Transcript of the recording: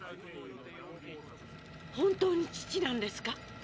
本当に父なんですか？